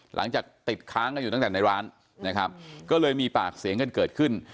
หลังจากติดค้างกันอยู่ตั้งแต่ในร้านนะครับก็เลยมีปากเสียงกันเกิดขึ้น